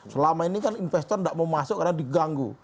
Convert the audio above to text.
selama ini kan investor tidak mau masuk karena diganggu